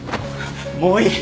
もういい。